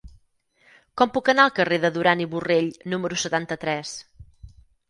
Com puc anar al carrer de Duran i Borrell número setanta-tres?